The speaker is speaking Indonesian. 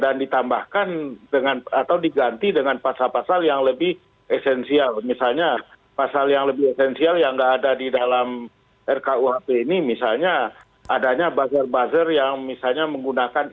dan ditambahkan atau diganti dengan pasal pasal yang lebih esensial misalnya pasal yang lebih esensial yang tidak ada di dalam rkuhp ini misalnya adanya buzzer buzzer yang misalnya menyebabkan